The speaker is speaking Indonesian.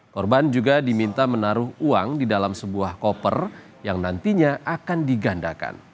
korban juga diminta menaruh uang di dalam sebuah koper yang nantinya akan digandakan